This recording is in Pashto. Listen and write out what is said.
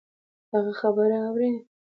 دغـه خبـرې اورې